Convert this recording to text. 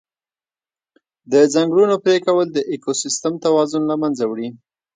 د ځنګلونو پرېکول د اکوسیستم توازن له منځه وړي.